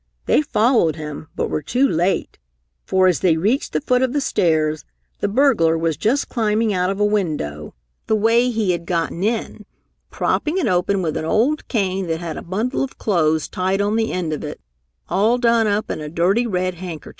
They followed him, but were too late, for as they reached the foot of the stairs the burglar was just climbing out of a window, the way he had gotten in, propping it open with an old cane that had a bundle of clothes tied on the end of it, all done up in a dirty, red handkerchief.